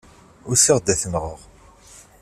Usiɣ-d ad t-nɣeɣ.